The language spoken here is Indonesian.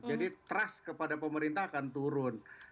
jadi trust kepada pemerintah akan turun